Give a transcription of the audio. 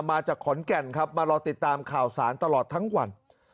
มาจากขอนแก่นครับมารอติดตามข่าวสารตลอดทั้งวัน